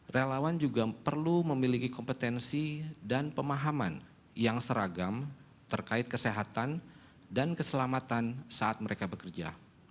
relawan juga perlu memiliki kompetensi dan pemahaman yang seragam terkait kesehatan dan keselamatan saat mereka bekerja